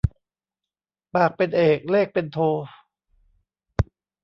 ปากเป็นเอกเลขเป็นโท